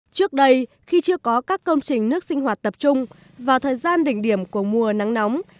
trước đây khi chưa có các công trình nước sinh hoạt tập trung vào thời gian đỉnh điểm của mùa nắng nóng